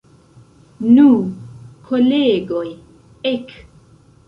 Nu, kolegoj, ek!